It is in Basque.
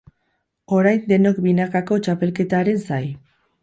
Orain denok binakako txapelketaren zai.